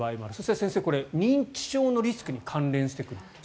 先生、これ、認知症のリスクに関係してくると。